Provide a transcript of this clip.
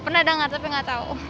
pernah dengar tapi gak tau